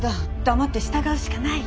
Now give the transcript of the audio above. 黙って従うしかない。